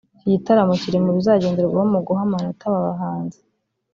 Iki gitaramo kiri mu bizagenderwaho mu guha amanota aba bahanzi